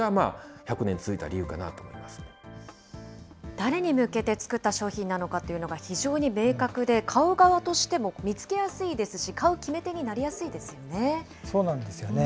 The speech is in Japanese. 誰に向けて作った商品なのかというのが、非常に明確で、買う側としても見つけやすいですし、買う決め手になりやすいですそうなんですよね。